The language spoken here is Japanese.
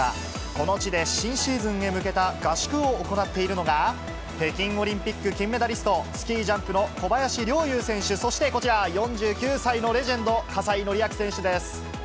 この地で新シーズンへ向けた合宿を行っているのが、北京オリンピック金メダリスト、スキージャンプの小林陵侑選手、そしてこちら、４９歳のレジェンド、葛西紀明選手です。